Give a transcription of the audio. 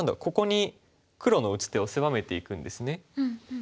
ここに黒の打つ手を狭めていくんですね。